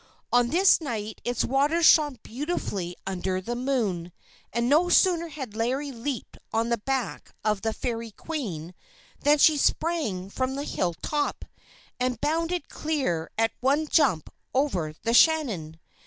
On this night its waters shone beautifully under the moon, and no sooner had Larry leaped on the back of the Fairy Queen than she sprang from the hill top, and bounded clear at one jump, over the Shannon.